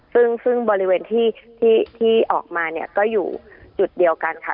ซึ่งบริเวณที่ออกมาเนี่ยก็อยู่จุดเดียวกันค่ะ